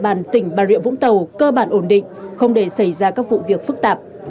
bàn tỉnh bà rịa vũng tàu cơ bản ổn định không để xảy ra các vụ việc phức tạp